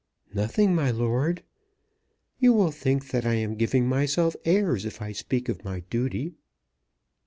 "Nothing, my lord. You will think that I am giving myself airs if I speak of my duty."